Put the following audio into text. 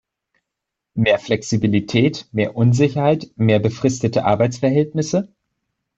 Mehr Flexibilität, mehr Unsicherheit, mehr befristete Arbeitsverhältnisse?